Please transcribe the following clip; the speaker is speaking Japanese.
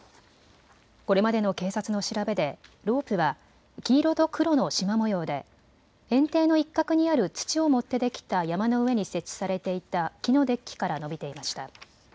これまでの警察の調べでロープは黄色と黒のしま模様で園庭の一角にある土を盛ってできた山の上に設置されていた木のデッキから伸びていました。